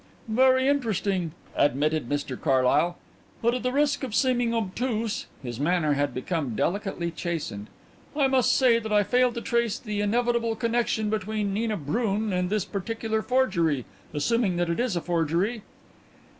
"Very interesting," admitted Mr Carlyle; "but at the risk of seeming obtuse" his manner had become delicately chastened "I must say that I fail to trace the inevitable connexion between Nina Brun and this particular forgery assuming that it is a forgery."